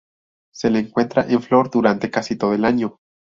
Se le encuentra en flor durante casi todo el año.